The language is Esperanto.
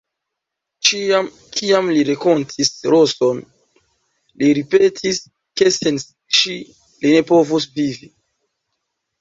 Ĉiam, kiam li renkontis Roson, li ripetis, ke sen ŝi li ne povus vivi.